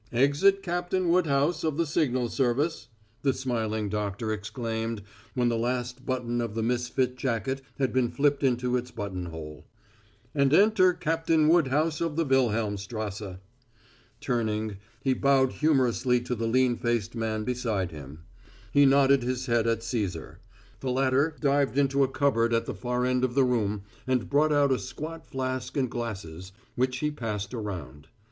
"Exit Captain Woodhouse of the signal service," the smiling doctor exclaimed when the last button of the misfit jacket had been flipped into its buttonhole, "and enter Captain Woodhouse of the Wilhelmstrasse." Turning, he bowed humorously to the lean faced man beside him. He nodded his head at Cæsar; the latter dived into a cupboard at the far end of the room and brought out a squat flask and glasses, which he passed around.